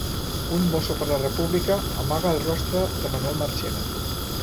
Un mosso per la República amaga el rostre de Manuel Marchena